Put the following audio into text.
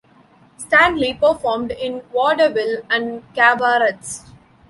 Stanley performed in vaudeville and cabarets.